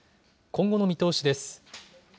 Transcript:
今後の見通しです。